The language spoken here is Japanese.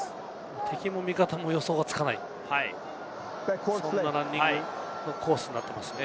敵も味方も予想がつかないランニングコースになっていますね。